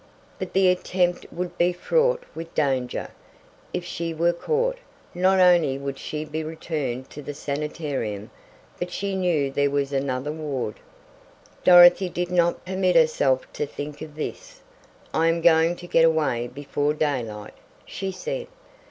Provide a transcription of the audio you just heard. But the attempt would be fraught with danger. If she were caught, not only would she be returned to the sanitarium, but she knew there was another ward Dorothy did not permit herself to think of this. "I am going to get away before daylight," she said.